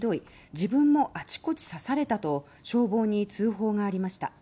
自分もあちこち刺されたと消防に通報がありました。